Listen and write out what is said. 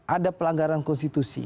ada pelanggaran konstitusi